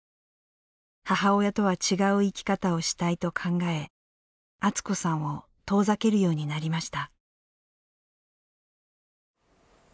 母親とは違う生き方をしたいと考えアツ子さんを遠ざけるようになりました。